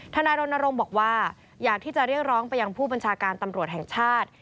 นายรณรงค์บอกว่าอยากที่จะเรียกร้องไปยังผู้บัญชาการตำรวจแห่งชาติ